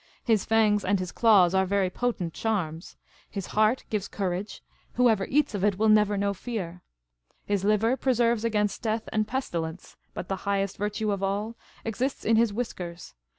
" His fangs and his claws are very potent charms. His heart gives courage. Whoever eats of it will never know fear. His liver preserves against death and pestilence. But the highest virtue of all exists in his whiskers.